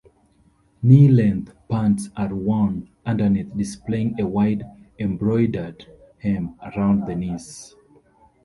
Knee-length pants are worn underneath displaying a wide, embroidered hem around the knees.